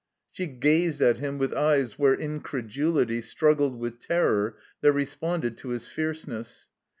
She gazed at him with eyes where incredulity struggled with terror that responded to his fierceness.